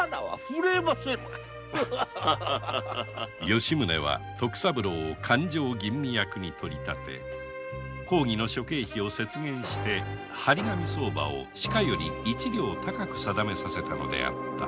吉宗は徳三郎を勘定吟味役に取り立て公儀の諸経費を節減して張紙相場を市価より一両高く定めさせたのであった